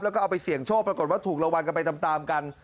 แล้วก็เอาไปเสี่ยงโชคปรากฏว่าถูกรางวัลกันไปตามกัน